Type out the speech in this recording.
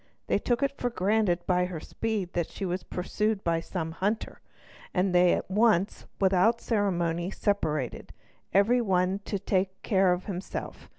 They took it for granted by her speed that she was pursued by some hunter, and they at once without ceremony separated, every one to take care of himself.